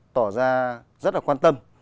tỏ ra rất là quan tâm